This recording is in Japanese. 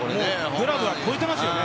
グラブは越えてます。